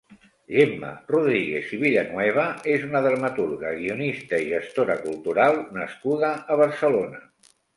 Gemma Rodríguez i Villanueva és una dramaturga, guionista i gestora cultural nascuda a Barcelona.